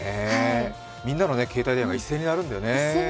みんなの携帯電話が一斉に鳴るんだよね。